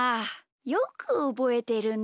よくおぼえてるね！